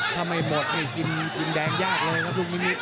ถ้าไม่หมดนี่กินแดงยากเลยนะลูกนิท